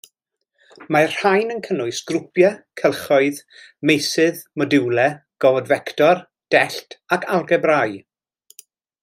Mae'r rhain yn cynnwys grwpiau, cylchoedd, meysydd, modiwlau, gofod fector, dellt ac algebrâu.